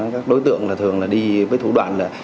các đối tượng thường là đi với thủ đoạn là